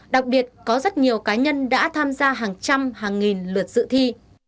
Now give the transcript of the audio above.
đặc biệt có rất nhiều cá nhân đã tham gia hàng trăm hàng nghìn lượt dự thi